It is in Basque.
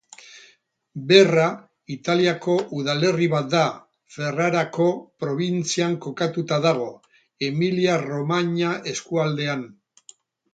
Berra Italiako udalerri bat da. Ferrarako probintzian kokatuta dago, Emilia-Romagna eskualdean.